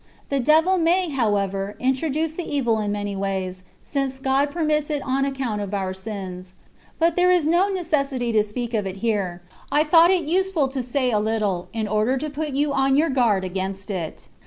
The devil may, how ever, introduce the evil in many ways, since God permits it on account of our sins. But there is no necessity to speak of it here. I thought it useful to say a little, in order to put you on your guard against it.